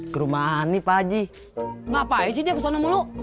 kerumahan nih pak haji ngapain sih kesana mulu